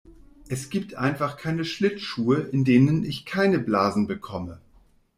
Es gibt einfach keine Schlittschuhe, in denen ich keine Blasen bekomme.